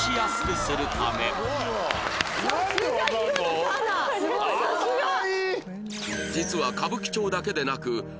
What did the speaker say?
「すごい！」